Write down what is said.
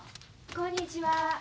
こんにちは。